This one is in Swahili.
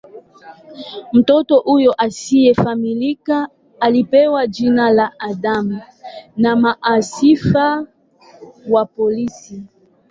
Mtoto huyu asiyefahamika alipewa jina la "Adam" na maafisa wa polisi.